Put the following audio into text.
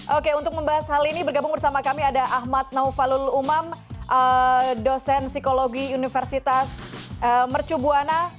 oke untuk membahas hal ini bergabung bersama kami ada ahmad naufalul umam dosen psikologi universitas mercubuana